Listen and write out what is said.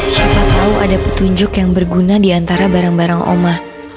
siapa tahu ada petunjuk yang berguna diantara barang barang oma